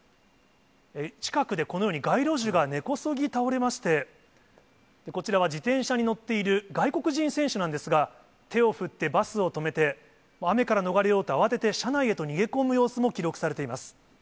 近くでこのように、街路樹が根こそぎ倒れまして、こちらは自転車に乗っている外国人選手なんですが、手を振ってバスを止めて、雨から逃れようと慌てて車内へと逃げ込む様子も記録されています。